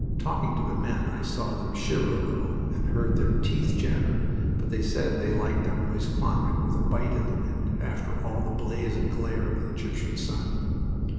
Talking to the men, I saw them shiver a little and heard their teeth chatter, but they said they liked a moist climate with a bite in the wind, after all the blaze and glare of the Egyptian sun.